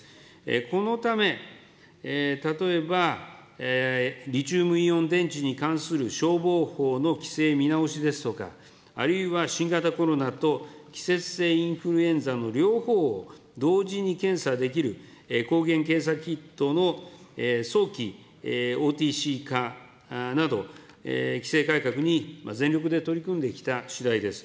このため、例えばリチウムイオン電池に関する消防法の規制見直しですとか、あるいは新型コロナと季節性インフルエンザの両方を同時に検査できる抗原検査キットの早期ＯＴＣ化など、規制改革に全力で取り組んできたしだいです。